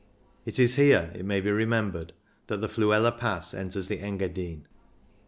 It is here, it may be remembered, that the Fluela Pass enters the Engadine.